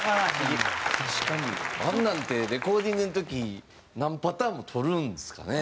あんなんってレコーディングの時何パターンもとるんですかね？